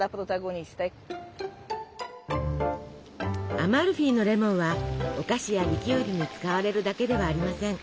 アマルフィのレモンはお菓子やリキュールに使われるだけではありません。